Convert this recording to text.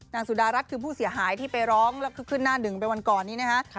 สุดารัฐคือผู้เสียหายที่ไปร้องแล้วก็ขึ้นหน้าหนึ่งไปวันก่อนนี้นะฮะ